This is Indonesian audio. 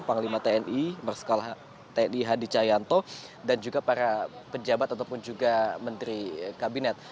panglima tni marsikal tni hadi cahyanto dan juga para pejabat ataupun juga menteri kabinet